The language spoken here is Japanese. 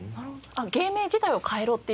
芸名自体を変えろっていうわけじゃ。